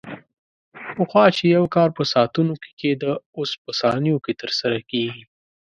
پخوا چې یو کار په ساعتونو کې کېده، اوس په ثانیو کې ترسره کېږي.